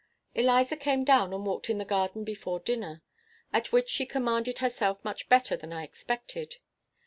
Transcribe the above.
Eliza came down and walked in the garden before dinner; at which she commanded herself much better than I expected.